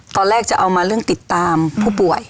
จะเอามาเรื่องติดตามผู้ป่วย